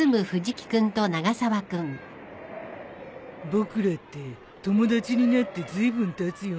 僕らって友達になってずいぶんたつよね。